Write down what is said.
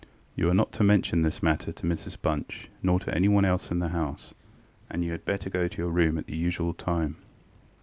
You are not to mention this matter to Mrs Bunch nor to anyone else in the house; and you had better go to your room at the usual time.